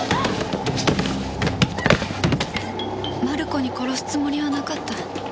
マルコに殺すつもりはなかった。